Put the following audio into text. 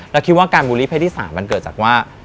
แล้วคิดว่าการบูลลี่เพศที่๓มันเกิดจากว่า